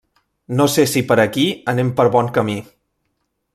No sé si per aquí anem per bon camí.